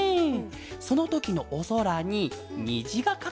そのときのおそらににじがかかることがあるケロ！